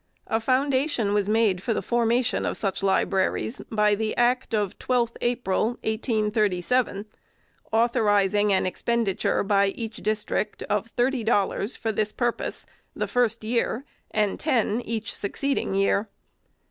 A foundation was made for the formation of such libraries, by the Act of 12th April, 1837, authorizing an expenditure by each district of thirty dollars, for this purpose, the first year, and ten each succeeding year.